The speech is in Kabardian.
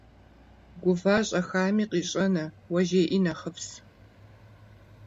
Гува щӏэхами къищӏэнущ, уэ жеӏи нэхъыфӏщ.